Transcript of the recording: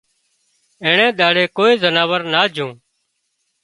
اينڻي ۮاڙي ڪوئي زناور نا جھون